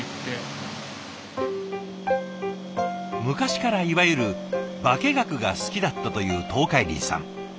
昔からいわゆる化け学が好きだったという東海林さん。